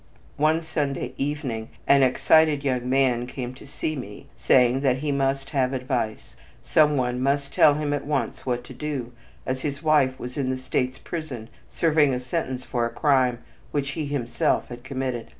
One Sunday evening an excited young man came to see me, saying that he must have advice; some one must tell him at once what to do, as his wife was in the state's prison serving a sentence for a crime which he himself had committed.